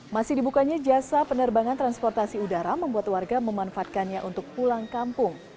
masih dibukanya jasa penerbangan transportasi udara membuat warga memanfaatkannya untuk pulang kampung